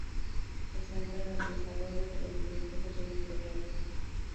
Se centra en el desarrollo de los videojuegos editoriales.